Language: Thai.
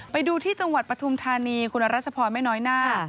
ไปดูที่จังหวัดปฐุมธานีคุณรัชพรไม่น้อยหน้า